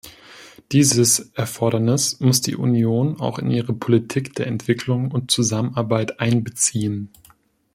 Dieses Erfordernis muss die Union auch in ihre Politik der Entwicklung und Zusammenarbeit einbeziehen.